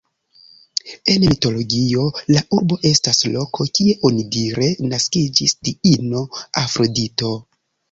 En mitologio la urbo estas loko, kie onidire naskiĝis diino Afrodito.